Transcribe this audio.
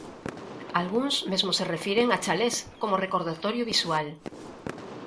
Algúns mesmo se refiren a "chalés" como recordatorio visual.